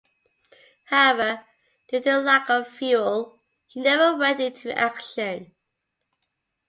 However, due to lack of fuel, he never went into action.